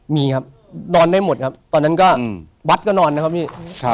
มีครับนอนได้หมดครับตอนนั้นก็วัดก็นอนนะครับพี่